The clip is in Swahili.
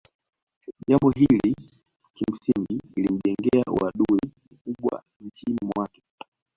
Jambo hili kimsingi ilimjengea uadui mkubwa nchini mwake